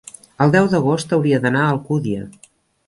El deu d'agost hauria d'anar a Alcúdia.